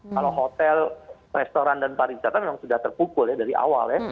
kalau hotel restoran dan pariwisata memang sudah terpukul ya dari awal ya